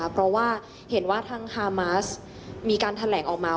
เพราะว่าเห็นว่าทางฮามาสมีการแถลงออกมา